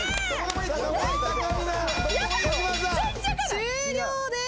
終了です。